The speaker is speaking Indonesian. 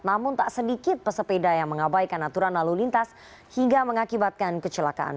namun tak sedikit pesepeda yang mengabaikan aturan lalu lintas hingga mengakibatkan kecelakaan